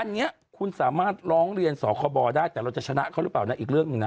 อันนี้คุณสามารถร้องเรียนสคบได้แต่เราจะชนะเขาหรือเปล่านะอีกเรื่องหนึ่งนะ